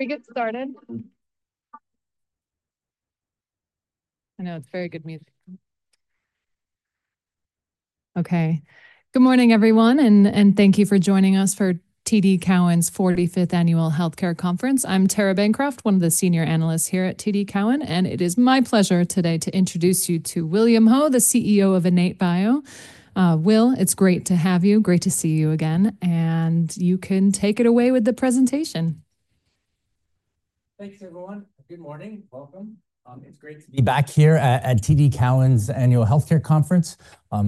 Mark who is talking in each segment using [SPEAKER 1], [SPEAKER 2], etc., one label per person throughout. [SPEAKER 1] We get started. I know it's very good music. Okay, good morning, everyone, and thank you for joining us for TD Cowen's 45th Annual Healthcare Conference. I'm Tara Bancroft, one of the senior analysts here at TD Cowen, and it is my pleasure today to introduce you to William Ho, the CEO of IN8bio. Will, it's great to have you, great to see you again, and you can take it away with the presentation.
[SPEAKER 2] Thanks, everyone. Good morning, welcome. It's great to be back here at TD Cowen's Annual Healthcare Conference.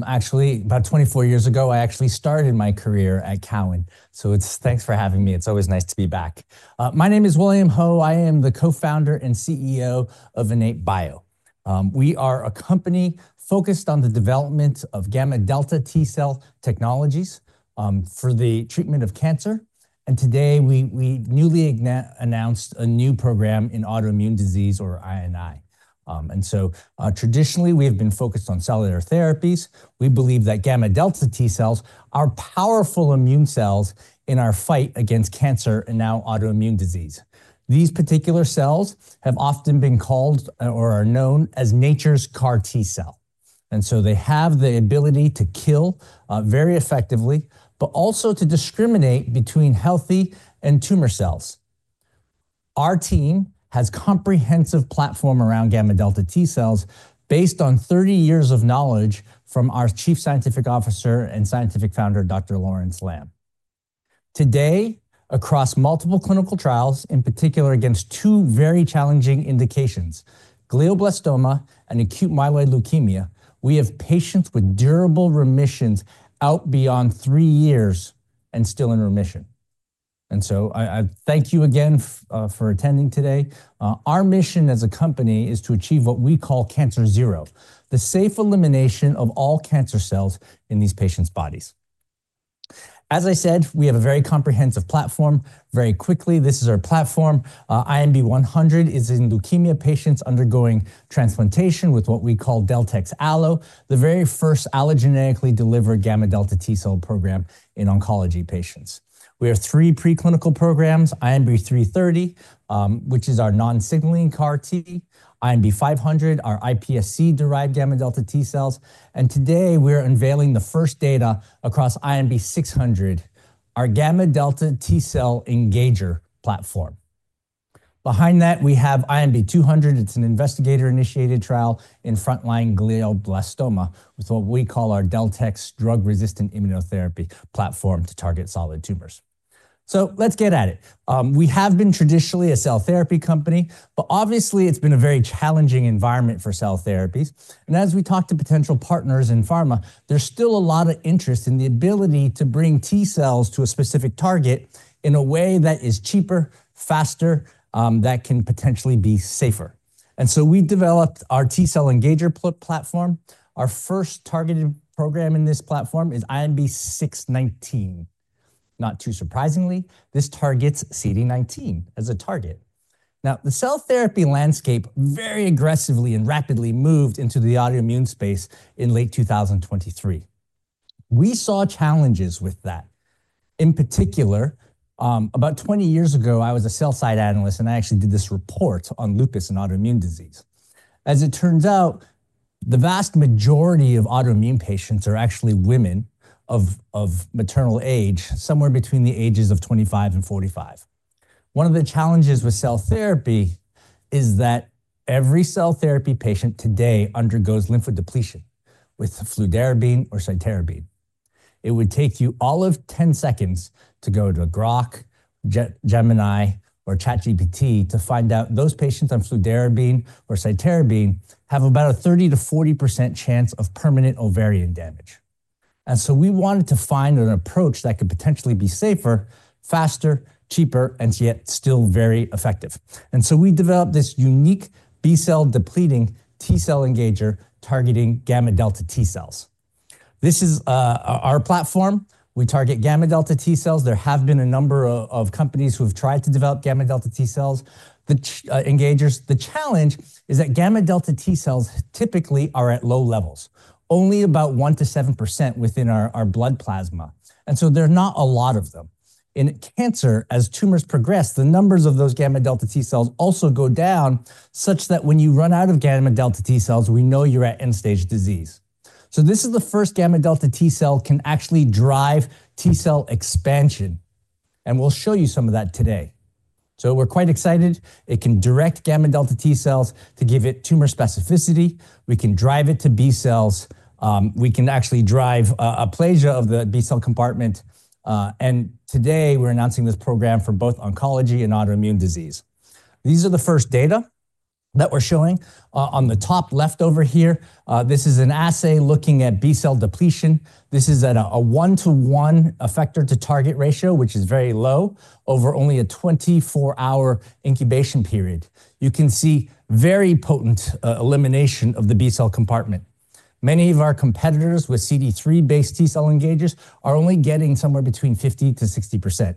[SPEAKER 2] Actually, about 24 years ago, I actually started my career at Cowen, so thanks for having me. It's always nice to be back. My name is William Ho. I am the co-founder and CEO of IN8bio. We are a company focused on the development of gamma-delta T cell technologies for the treatment of cancer, and today we newly announced a new program in autoimmune disease, or I&I. Traditionally, we have been focused on cellular therapies. We believe that gamma-delta T cells are powerful immune cells in our fight against cancer and now autoimmune disease. These particular cells have often been called or are known as Nature's CAR-T cell, and they have the ability to kill very effectively, but also to discriminate between healthy and tumor cells. Our team has a comprehensive platform around gamma-delta T cells based on 30 years of knowledge from our Chief Scientific Officer and scientific founder, Dr. Lawrence Lamb. Today, across multiple clinical trials, in particular against two very challenging indications, glioblastoma and acute myeloid leukemia, we have patients with durable remissions out beyond three years and still in remission. I thank you again for attending today. Our mission as a company is to achieve what we call cancer zero, the safe elimination of all cancer cells in these patients' bodies. As I said, we have a very comprehensive platform. Very quickly, this is our platform. INB-100 is in leukemia patients undergoing transplantation with what we call DeltEx Allo, the very first allogeneically delivered gamma-delta T cell program in oncology patients. We have three preclinical programs: INB-330, which is our non-signaling CAR-T; INB-500, our iPSC-derived gamma-delta T cells; and today we're unveiling the first data across INB-600, our gamma-delta T cell engager platform. Behind that, we have INB-200. It's an investigator-initiated trial in frontline glioblastoma with what we call our DeltEx drug-resistant immunotherapy platform to target solid tumors. Let's get at it. We have been traditionally a cell therapy company, but obviously it's been a very challenging environment for cell therapies, and as we talk to potential partners in pharma, there's still a lot of interest in the ability to bring T cells to a specific target in a way that is cheaper, faster, that can potentially be safer. We developed our T cell engager platform. Our first targeted program in this platform is INB-619. Not too surprisingly, this targets CD19 as a target. Now, the cell therapy landscape very aggressively and rapidly moved into the autoimmune space in late 2023. We saw challenges with that. In particular, about 20 years ago, I was a sell-side analyst, and I actually did this report on lupus and autoimmune disease. As it turns out, the vast majority of autoimmune patients are actually women of maternal age, somewhere between the ages of 25 and 45. One of the challenges with cell therapy is that every cell therapy patient today undergoes lymphodepletion with fludarabine or cytarabine. It would take you all of 10 seconds to go to Grok, Gemini, or ChatGPT to find out those patients on fludarabine or cytarabine have about a 30-40% chance of permanent ovarian damage. We wanted to find an approach that could potentially be safer, faster, cheaper, and yet still very effective. We developed this unique B cell depleting T cell engager targeting gamma-delta T cells. This is our platform. We target gamma-delta T cells. There have been a number of companies who have tried to develop gamma-delta T cells. The challenge is that gamma-delta T cells typically are at low levels, only about 1% to 7% within our blood plasma, and so there are not a lot of them. In cancer, as tumors progress, the numbers of those gamma-delta T cells also go down, such that when you run out of gamma-delta T cells, we know you're at end-stage disease. This is the first gamma-delta T cell that can actually drive T cell expansion, and we'll show you some of that today. We're quite excited. It can direct gamma-delta T cells to give it tumor specificity. We can drive it to B cells. We can actually drive aplasia of the B cell compartment, and today we're announcing this program for both oncology and autoimmune disease. These are the first data that we're showing. On the top left over here, this is an assay looking at B cell depletion. This is at a 1 to 1 effector-to-target ratio, which is very low over only a 24-hour incubation period. You can see very potent elimination of the B cell compartment. Many of our competitors with CD3-based T cell engagers are only getting somewhere between 50% to 60%.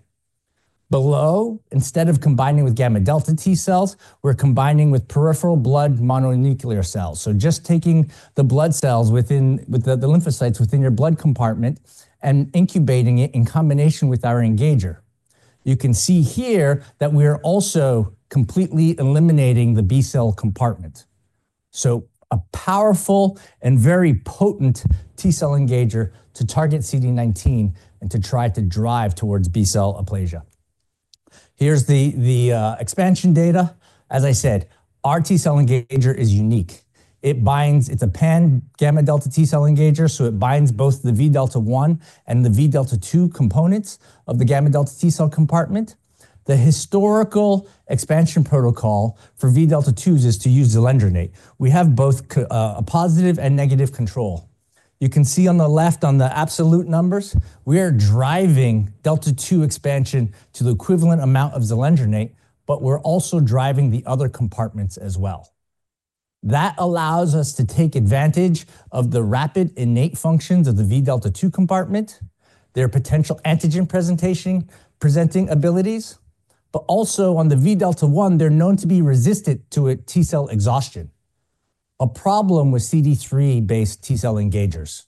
[SPEAKER 2] Below, instead of combining with gamma-delta T cells, we're combining with peripheral blood mononuclear cells. Just taking the blood cells within the lymphocytes within your blood compartment and incubating it in combination with our engager. You can see here that we are also completely eliminating the B cell compartment. A powerful and very potent T cell engager to target CD19 and to try to drive towards B cell aplasia. Here's the expansion data. As I said, our T cell engager is unique. It binds, it's a pan gamma-delta T cell engager, so it binds both the V delta 1 and the V delta 2 components of the gamma-delta T cell compartment. The historical expansion protocol for V delta 2s is to use zoledronate. We have both a positive and negative control. You can see on the left on the absolute numbers, we are driving delta 2 expansion to the equivalent amount of zoledronate, but we're also driving the other compartments as well. That allows us to take advantage of the rapid innate functions of the V delta 2 compartment, their potential antigen presenting abilities, but also on the V delta 1, they're known to be resistant to T cell exhaustion, a problem with CD3-based T cell engagers.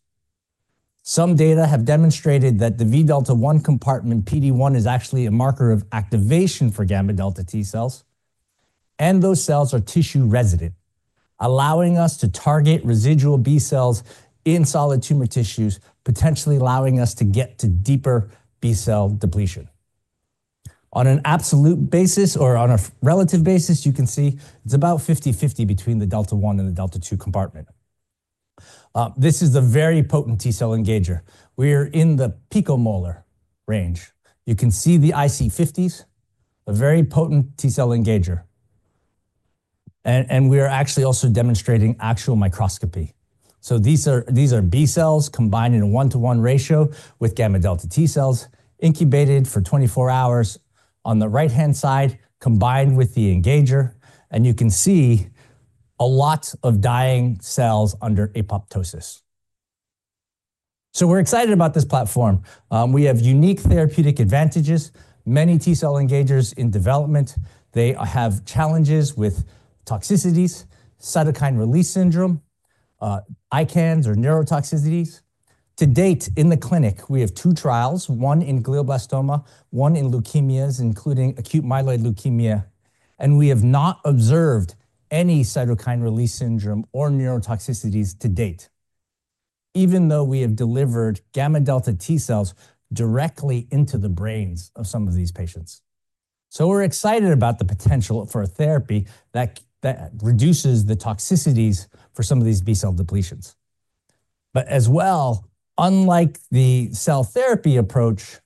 [SPEAKER 2] Some data have demonstrated that the V delta 1 compartment PD1 is actually a marker of activation for gamma-delta T cells, and those cells are tissue resident, allowing us to target residual B cells in solid tumor tissues, potentially allowing us to get to deeper B cell depletion. On an absolute basis or on a relative basis, you can see it's about 50/50 between the delta 1 and the delta 2 compartment. This is the very potent T cell engager. We are in the picomolar range. You can see the IC50s, a very potent T cell engager, and we are actually also demonstrating actual microscopy. These are B cells combined in a 1 to 1 ratio with gamma-delta T cells, incubated for 24 hours on the right-hand side, combined with the engager, and you can see a lot of dying cells under apoptosis. We are excited about this platform. We have unique therapeutic advantages. Many T cell engagers in development, they have challenges with toxicities, cytokine release syndrome, ICANS, or neurotoxicities. To date, in the clinic, we have two trials, one in glioblastoma, one in leukemias, including acute myeloid leukemia, and we have not observed any cytokine release syndrome or neurotoxicities to date, even though we have delivered gamma-delta T cells directly into the brains of some of these patients. We're excited about the potential for a therapy that reduces the toxicities for some of these B cell depletions. As well, unlike the cell therapy approach,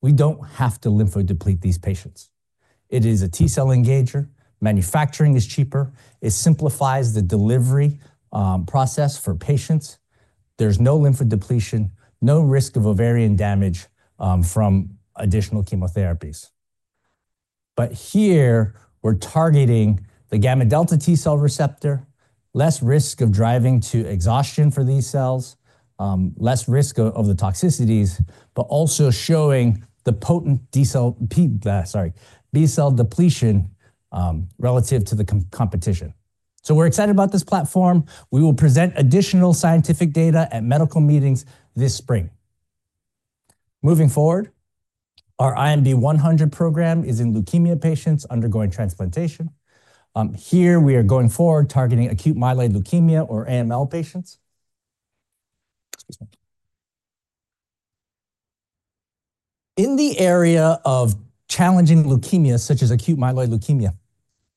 [SPEAKER 2] we don't have to lymphodeplete these patients. It is a T cell engager. Manufacturing is cheaper. It simplifies the delivery process for patients. There's no lymphodepletion, no risk of ovarian damage from additional chemotherapies. Here, we're targeting the gamma-delta T cell receptor, less risk of driving to exhaustion for these cells, less risk of the toxicities, but also showing the potent B cell depletion relative to the competition. We're excited about this platform. We will present additional scientific data at medical meetings this spring. Moving forward, our INB-100 program is in leukemia patients undergoing transplantation. Here, we are going forward targeting acute myeloid leukemia, or AML, patients. In the area of challenging leukemia, such as acute myeloid leukemia,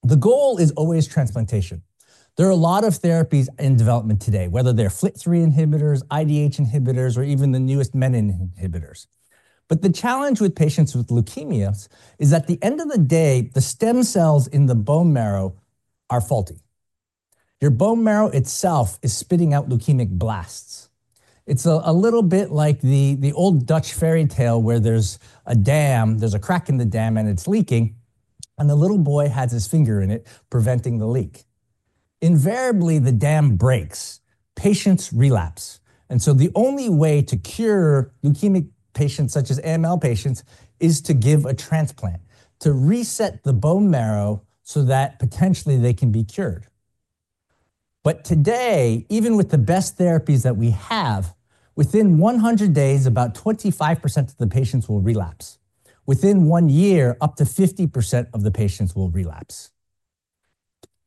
[SPEAKER 2] the goal is always transplantation. There are a lot of therapies in development today, whether they're FLT3 inhibitors, IDH inhibitors, or even the newest menin inhibitors. The challenge with patients with leukemias is that at the end of the day, the stem cells in the bone marrow are faulty. Your bone marrow itself is spitting out leukemic blasts. It's a little bit like the old Dutch fairy tale where there's a dam, there's a crack in the dam, and it's leaking, and the little boy has his finger in it preventing the leak. Invariably, the dam breaks. Patients relapse. The only way to cure leukemic patients, such as AML patients, is to give a transplant to reset the bone marrow so that potentially they can be cured. Today, even with the best therapies that we have, within 100 days, about 25% of the patients will relapse. Within one year, up to 50% of the patients will relapse.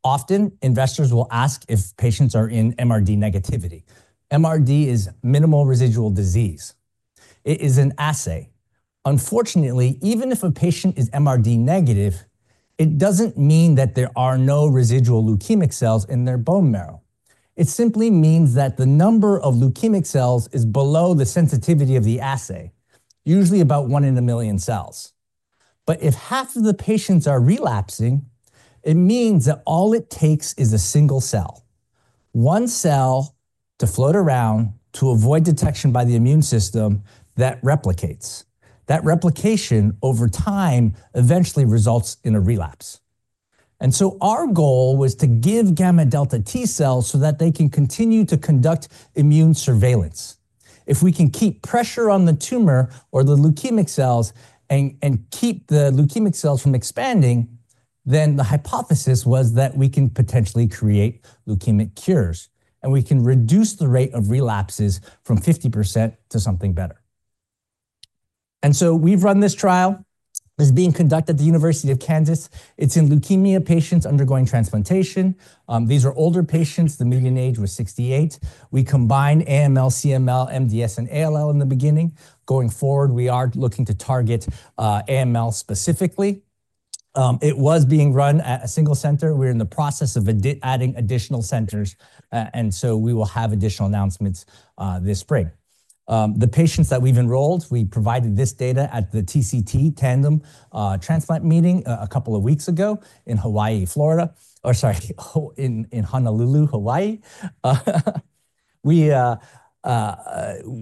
[SPEAKER 2] Often, investors will ask if patients are in MRD negativity. MRD is minimal residual disease. It is an assay. Unfortunately, even if a patient is MRD negative, it doesn't mean that there are no residual leukemic cells in their bone marrow. It simply means that the number of leukemic cells is below the sensitivity of the assay, usually about one in a million cells. If half of the patients are relapsing, it means that all it takes is a single cell, one cell to float around to avoid detection by the immune system that replicates. That replication over time eventually results in a relapse. Our goal was to give gamma-delta T cells so that they can continue to conduct immune surveillance. If we can keep pressure on the tumor or the leukemic cells and keep the leukemic cells from expanding, the hypothesis was that we can potentially create leukemic cures, and we can reduce the rate of relapses from 50% to something better. We have run this trial. It is being conducted at the University of Kansas. It is in leukemia patients undergoing transplantation. These are older patients. The median age was 68. We combined AML, CML, MDS, and ALL in the beginning. Going forward, we are looking to target AML specifically. It was being run at a single center. We are in the process of adding additional centers, and we will have additional announcements this spring. The patients that we've enrolled, we provided this data at the TCT Tandem Transplant meeting a couple of weeks ago in Honolulu, Hawaii.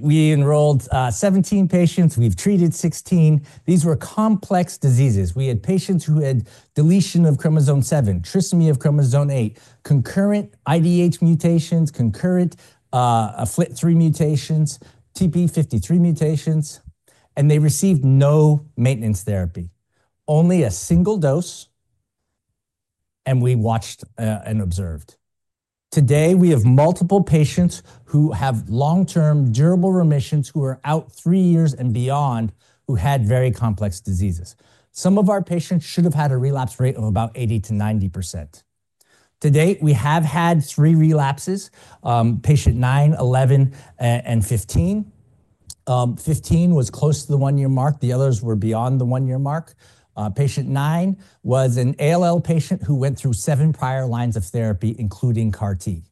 [SPEAKER 2] We enrolled 17 patients. We've treated 16. These were complex diseases. We had patients who had deletion of chromosome 7, trisomy of chromosome 8, concurrent IDH mutations, concurrent FLT3 mutations, TP53 mutations, and they received no maintenance therapy, only a single dose, and we watched and observed. Today, we have multiple patients who have long-term durable remissions who are out three years and beyond who had very complex diseases. Some of our patients should have had a relapse rate of about 80-90%. To date, we have had three relapses: patient 9, 11, and 15. 15 was close to the one-year mark. The others were beyond the one-year mark. Patient 9 was an ALL patient who went through seven prior lines of therapy, including CAR-T,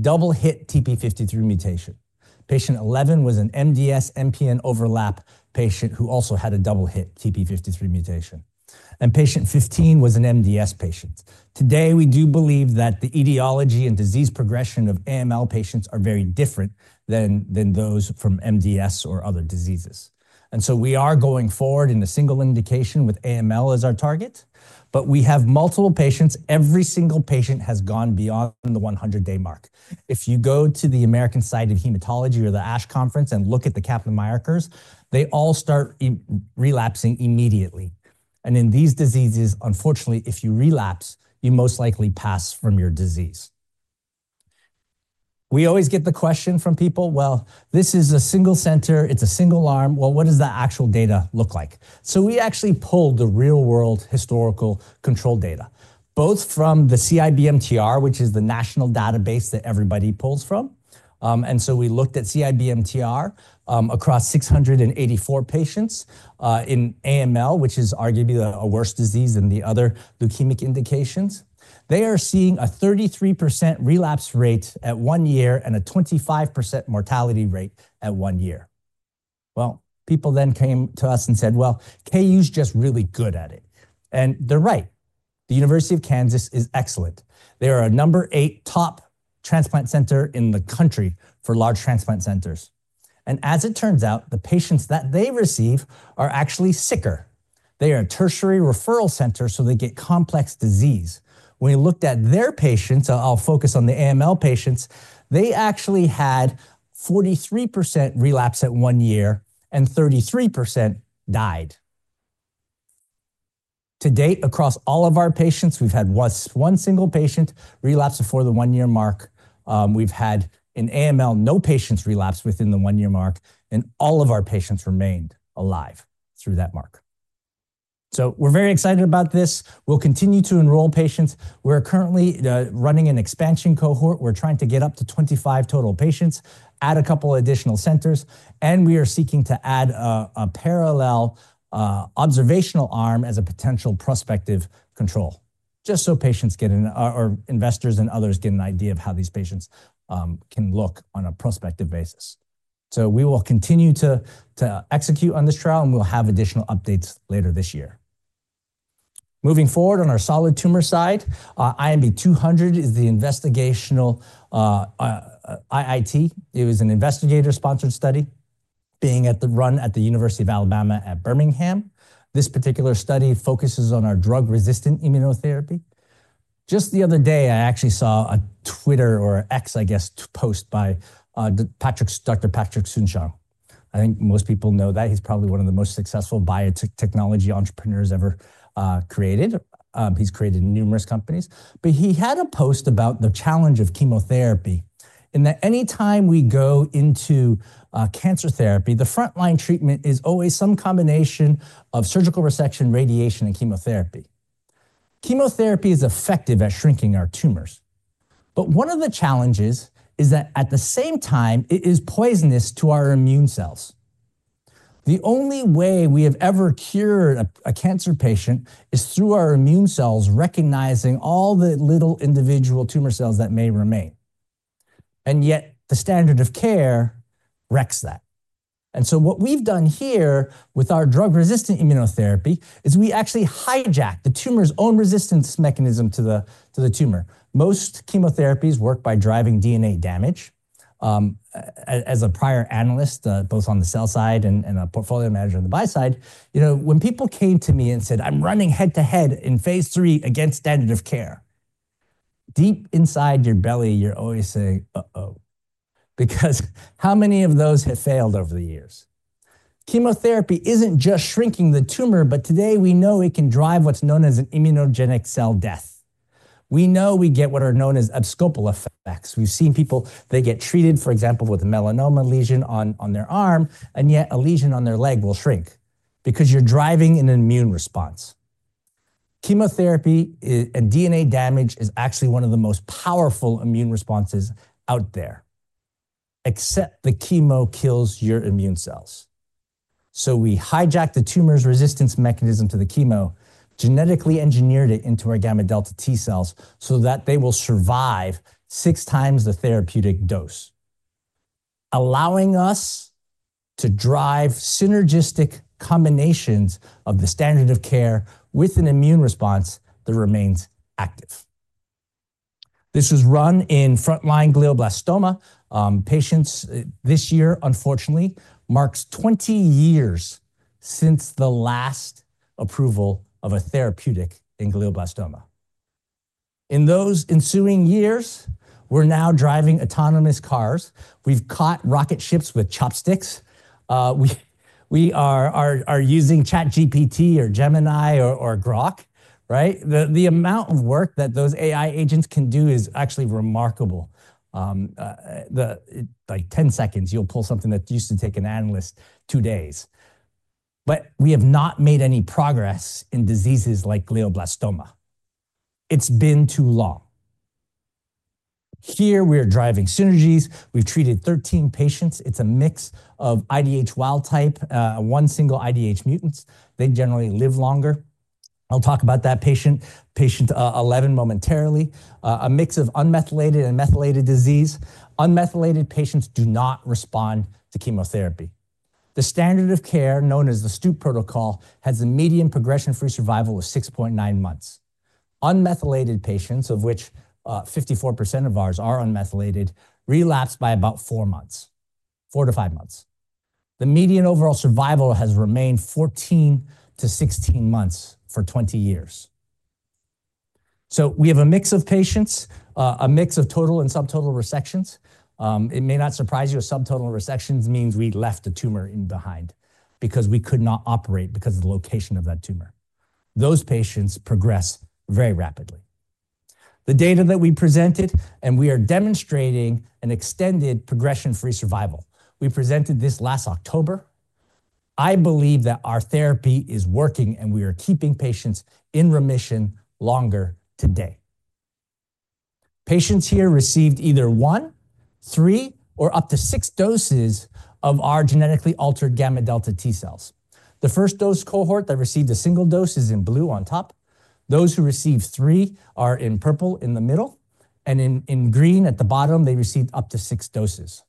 [SPEAKER 2] double-hit TP53 mutation. Patient 11 was an MDS/MPN overlap patient who also had a double-hit TP53 mutation, and patient 15 was an MDS patient. Today, we do believe that the etiology and disease progression of AML patients are very different than those from MDS or other diseases. We are going forward in a single indication with AML as our target, but we have multiple patients. Every single patient has gone beyond the 100-day mark. If you go to the American Society of Hematology or the ASH conference and look at the Kaplan-Meier curves, they all start relapsing immediately. In these diseases, unfortunately, if you relapse, you most likely pass from your disease. We always get the question from people, "Well, this is a single center. It's a single arm. What does the actual data look like? We actually pulled the real-world historical control data, both from the CIBMTR, which is the national database that everybody pulls from. We looked at CIBMTR across 684 patients in AML, which is arguably the worst disease than the other leukemic indications. They are seeing a 33% relapse rate at one year and a 25% mortality rate at one year. People then came to us and said, "KU's just really good at it." They are right. The University of Kansas is excellent. They are a number eight top transplant center in the country for large transplant centers. As it turns out, the patients that they receive are actually sicker. They are a tertiary referral center, so they get complex disease. When we looked at their patients, I'll focus on the AML patients, they actually had 43% relapse at one year and 33% died. To date, across all of our patients, we've had one single patient relapse before the one-year mark. We've had in AML, no patients relapse within the one-year mark, and all of our patients remained alive through that mark. We are very excited about this. We will continue to enroll patients. We are currently running an expansion cohort. We are trying to get up to 25 total patients, add a couple of additional centers, and we are seeking to add a parallel observational arm as a potential prospective control, just so patients get an, or investors and others get an idea of how these patients can look on a prospective basis. We will continue to execute on this trial, and we will have additional updates later this year. Moving forward on our solid tumor side, INB-200 is the investigational IIT. It was an investigator-sponsored study being run at the University of Alabama at Birmingham. This particular study focuses on our drug-resistant immunotherapy. Just the other day, I actually saw a Twitter or X, I guess, post by Dr. Patrick Soon-Shiong. I think most people know that he's probably one of the most successful biotechnology entrepreneurs ever created. He's created numerous companies, but he had a post about the challenge of chemotherapy in that anytime we go into cancer therapy, the frontline treatment is always some combination of surgical resection, radiation, and chemotherapy. Chemotherapy is effective at shrinking our tumors, but one of the challenges is that at the same time, it is poisonous to our immune cells. The only way we have ever cured a cancer patient is through our immune cells recognizing all the little individual tumor cells that may remain. Yet, the standard of care wrecks that. What we've done here with our drug-resistant immunotherapy is we actually hijack the tumor's own resistance mechanism to the tumor. Most chemotherapies work by driving DNA damage. As a prior analyst, both on the sell side and a portfolio manager on the buy side, you know, when people came to me and said, I'm running head-to-head in phase three against standard of care, deep inside your belly, you're always saying, Uh-oh, because how many of those have failed over the years? Chemotherapy isn't just shrinking the tumor, but today we know it can drive what's known as an immunogenic cell death. We know we get what are known as obscopal effects. We've seen people, they get treated, for example, with a melanoma lesion on their arm, and yet a lesion on their leg will shrink because you're driving an immune response. Chemotherapy and DNA damage is actually one of the most powerful immune responses out there, except the chemo kills your immune cells. We hijack the tumor's resistance mechanism to the chemo, genetically engineered it into our gamma-delta T cells so that they will survive six times the therapeutic dose, allowing us to drive synergistic combinations of the standard of care with an immune response that remains active. This was run in frontline glioblastoma. Patients, this year unfortunately marks 20 years since the last approval of a therapeutic in glioblastoma. In those ensuing years, we're now driving autonomous cars. We've caught rocket ships with chopsticks. We are using ChatGPT or Gemini or Grok, right? The amount of work that those AI agents can do is actually remarkable. Like 10 seconds, you'll pull something that used to take an analyst two days. We have not made any progress in diseases like glioblastoma. It's been too long. Here, we're driving synergies. We've treated 13 patients. It's a mix of IDH wild type, one single IDH mutant. They generally live longer. I'll talk about that patient, patient 11, momentarily. A mix of unmethylated and methylated disease. Unmethylated patients do not respond to chemotherapy. The standard of care known as the Stupp protocol has a median progression-free survival of 6.9 months. Unmethylated patients, of which 54% of ours are unmethylated, relapse by about four months, four to five months. The median overall survival has remained 14 to 16 months for 20 years. We have a mix of patients, a mix of total and subtotal resections. It may not surprise you. Subtotal resections means we left the tumor in behind because we could not operate because of the location of that tumor. Those patients progress very rapidly. The data that we presented, and we are demonstrating an extended progression-free survival. We presented this last October. I believe that our therapy is working, and we are keeping patients in remission longer today. Patients here received either one, three, or up to six doses of our genetically altered gamma-delta T cells. The first dose cohort that received a single dose is in blue on top. Those who received three are in purple in the middle, and in green at the bottom, they received up to six doses.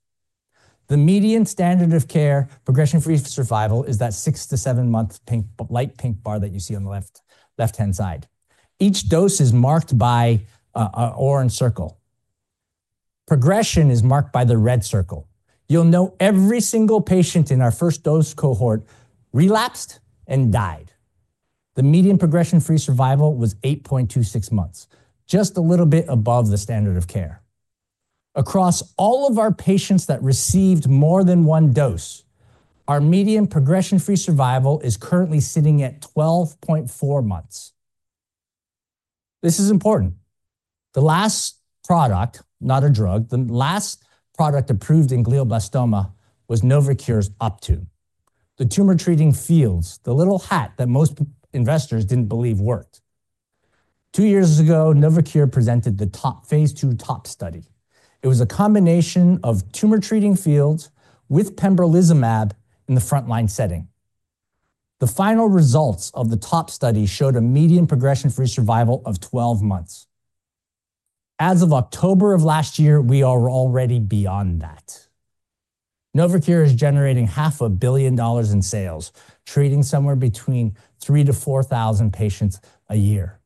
[SPEAKER 2] The median standard of care progression-free survival is that six to seven-month light pink bar that you see on the left-hand side. Each dose is marked by an orange circle. Progression is marked by the red circle. You'll know every single patient in our first dose cohort relapsed and died. The median progression-free survival was 8.26 months, just a little bit above the standard of care. Across all of our patients that received more than one dose, our median progression-free survival is currently sitting at 12.4 months. This is important. The last product, not a drug, the last product approved in glioblastoma was Novocure's Optune, the tumor-treating fields, the little hat that most investors didn't believe worked. Two years ago, Novocure presented the 2-THE-TOP study. It was a combination of tumor-treating fields with pembrolizumab in the frontline setting. The final results of the TOP study showed a median progression-free survival of 12 months. As of October of last year, we are already beyond that. Novocure is generating $500,000,000 in sales, treating somewhere between 3,000-4,000 patients a year.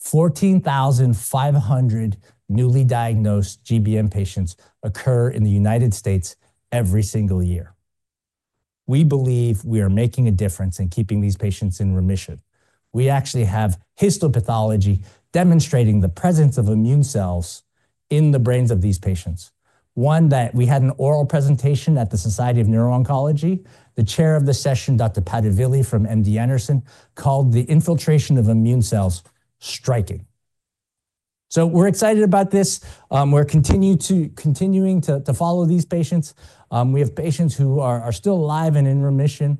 [SPEAKER 2] 14,500 newly diagnosed GBM patients occur in the United States every single year. We believe we are making a difference in keeping these patients in remission. We actually have histopathology demonstrating the presence of immune cells in the brains of these patients. One that we had an oral presentation at the Society of Neuro-Oncology. The chair of the session, Dr. Puduvalli from MD Anderson, called the infiltration of immune cells striking. We are excited about this. We are continuing to follow these patients. We have patients who are still alive and in remission.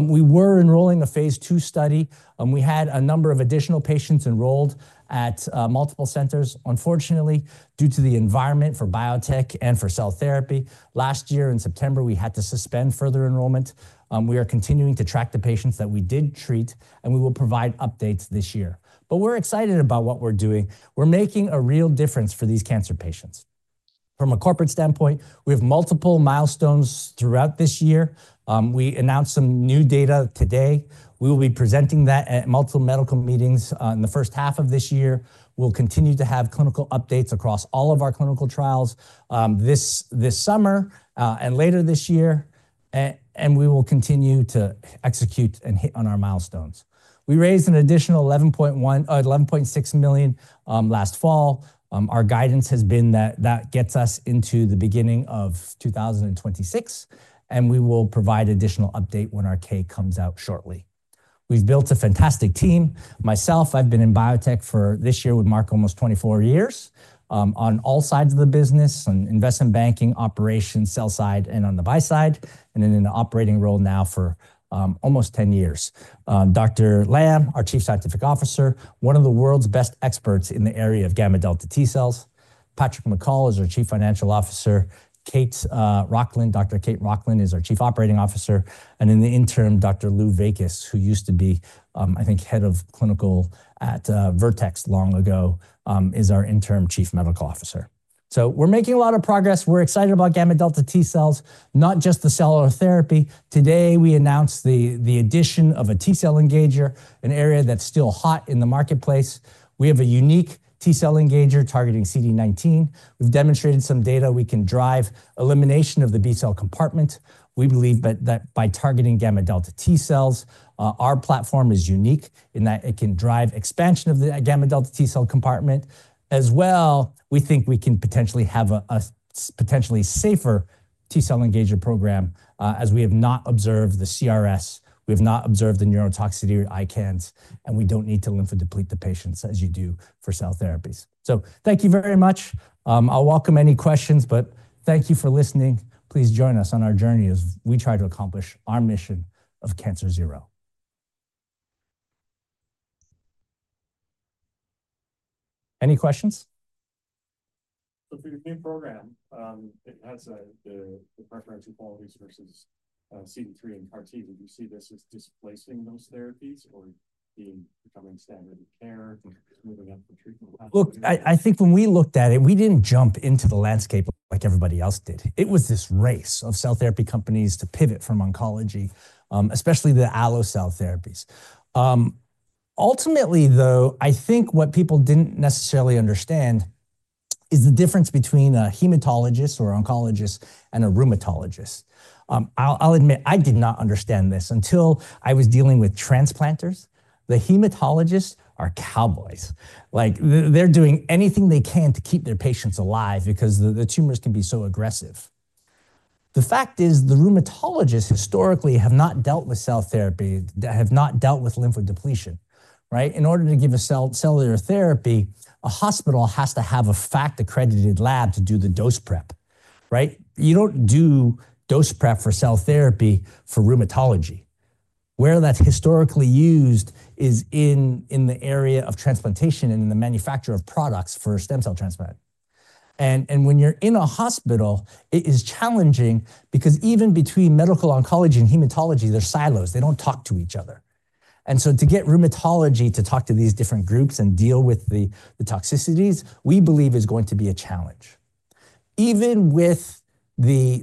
[SPEAKER 2] We were enrolling a phase two study, and we had a number of additional patients enrolled at multiple centers. Unfortunately, due to the environment for biotech and for cell therapy, last year in September, we had to suspend further enrollment. We are continuing to track the patients that we did treat, and we will provide updates this year. We are excited about what we are doing. We are making a real difference for these cancer patients. From a corporate standpoint, we have multiple milestones throughout this year. We announced some new data today. We will be presenting that at multiple medical meetings in the first half of this year. We will continue to have clinical updates across all of our clinical trials this summer and later this year, and we will continue to execute and hit on our milestones. We raised an additional $11.6 million last fall. Our guidance has been that that gets us into the beginning of 2026, and we will provide an additional update when our K comes out shortly. We've built a fantastic team. Myself, I've been in biotech for this year with Mark almost 24 years on all sides of the business, on investment banking, operations, sell-side, and on the buy side, and then in an operating role now for almost 10 years. Dr. Lam, our Chief Scientific Officer, one of the world's best experts in the area of gamma-delta T cells. Patrick McCall is our Chief Financial Officer. Dr. Kate Rochlin is our Chief Operating Officer. In the interim, Dr. Lou Vaickus, who used to be, I think, head of clinical at Vertex long ago, is our interim Chief Medical Officer. We're making a lot of progress. We're excited about gamma-delta T cells, not just the cellular therapy. Today, we announced the addition of a T cell engager, an area that's still hot in the marketplace. We have a unique T cell engager targeting CD19. We've demonstrated some data we can drive elimination of the B cell compartment. We believe that by targeting gamma-delta T cells, our platform is unique in that it can drive expansion of the gamma-delta T cell compartment. As well, we think we can potentially have a potentially safer T cell engager program as we have not observed the CRS. We have not observed the neurotoxicity or ICANS, and we don't need to lymphodeplete the patients as you do for cell therapies. Thank you very much. I'll welcome any questions, but thank you for listening. Please join us on our journey as we try to accomplish our mission of cancer zero. Any questions? For your new program, it has the preference of qualities versus CD3 and CAR-T. Would you see this as displacing those therapies or becoming standard of care? Look, I think when we looked at it, we did not jump into the landscape like everybody else did. It was this race of cell therapy companies to pivot from oncology, especially the allocell therapies. Ultimately, though, I think what people did not necessarily understand is the difference between a hematologist or oncologist and a rheumatologist. I will admit, I did not understand this until I was dealing with transplanters. The hematologists are cowboys. Like, they are doing anything they can to keep their patients alive because the tumors can be so aggressive. The fact is the rheumatologists historically have not dealt with cell therapy, have not dealt with lymphodepletion, right? In order to give a cellular therapy, a hospital has to have a FACT-accredited lab to do the dose prep, right? You don't do dose prep for cell therapy for rheumatology. Where that's historically used is in the area of transplantation and in the manufacture of products for stem cell transplant. When you're in a hospital, it is challenging because even between medical oncology and hematology, there are silos. They don't talk to each other. To get rheumatology to talk to these different groups and deal with the toxicities, we believe is going to be a challenge. Even with the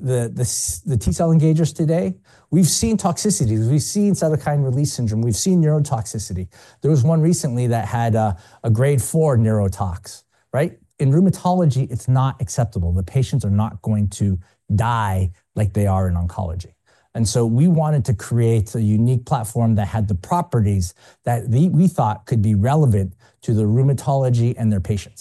[SPEAKER 2] T cell engagers today, we've seen toxicities. We've seen cytokine release syndrome. We've seen neurotoxicity. There was one recently that had a grade four neurotox, right? In rheumatology, it's not acceptable. The patients are not going to die like they are in oncology. We wanted to create a unique platform that had the properties that we thought could be relevant to the rheumatology and their patients.